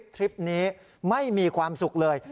คลิปนี้ไม่มีความสุขเลย